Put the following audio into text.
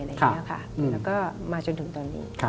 แล้วก็มาจนถึงตอนนี้